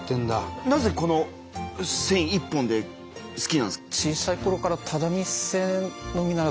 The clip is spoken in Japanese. なぜこの線一本で好きなんですか？